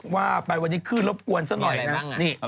ว่าไปวันนี้ขึ้นรบกวนซะหน่อยนะ